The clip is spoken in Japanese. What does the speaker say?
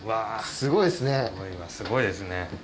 すごいですね。